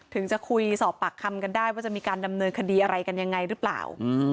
ถึงจะคุยสอบปากคำกันได้ว่าจะมีการดำเนินคดีอะไรกันยังไงหรือเปล่า